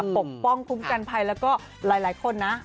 ปกป้องคุ้มกันภัยแล้วก็หลายคนนะ